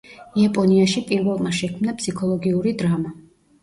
იაპონიაში პირველმა შექმნა ფსიქოლოგიური დრამა.